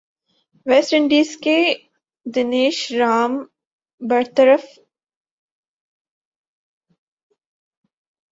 waste Indies کے دنیش رام برطرف Jason Holder نئے کپتان مقرر